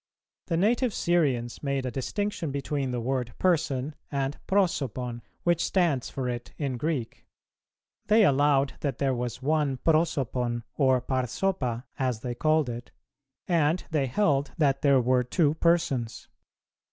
The native Syrians made a distinction between the word "Person," and "Prosopon," which stands for it in Greek; they allowed that there was one Prosopon or Parsopa, as they called it, and they heldthat there were two Persons.